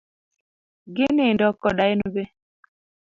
Ginindo kode en be